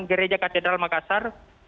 gereja katedral makassar